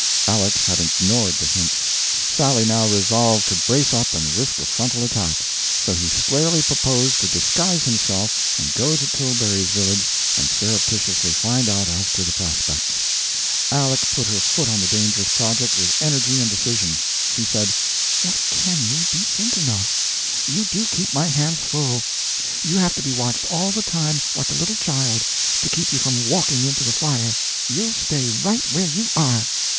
Aleck had ignored the hints. Sally now resolved to brace up and risk a frontal attack. So he squarely proposed to disguise himself and go to Tilbury's village and surreptitiously find out as to the prospects. Aleck put her foot on the dangerous project with energy and decision. She said: "What can you be thinking of? You do keep my hands full! You have to be watched all the time, like a little child, to keep you from walking into the fire. You'll stay right where you are!"